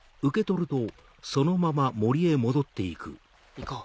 行こう。